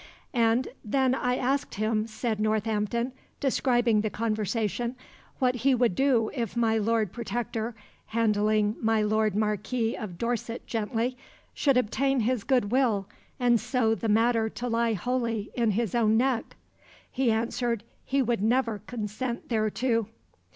"And then I asked him," said Northampton, describing the conversation, "what he would do if my Lord Protector, handling my Lord Marquis of Dorset gently, should obtain his good will and so the matter to lie wholly in his own neck? He answered he would never consent thereto."